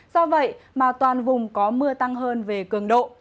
do vậy mà toàn vùng có mưa tăng hơn về cường độ